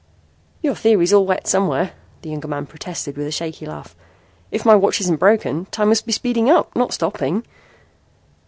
"Your theory's all wet somewhere," the younger man protested with a shaky laugh. "If my watch isn't broken, time must be speeding up, not stopping."